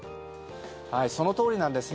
そのとおりなんですね。